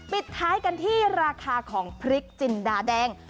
ปิดท้ายกันที่ราคาของพริกจินดาแดง